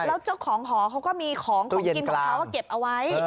แล้วเจ้าของหอก็มีของกินเขาก็เก็บเอาไว้